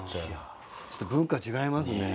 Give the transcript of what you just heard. ちょっと文化違いますね。